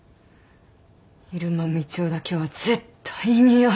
入間みちおだけは絶対にあり得ない。